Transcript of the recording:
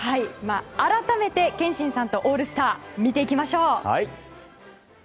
改めて憲伸さんとオールスター見ていきましょう。